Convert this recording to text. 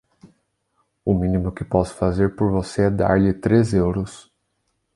O mínimo que posso fazer por você é dar-lhe três euros.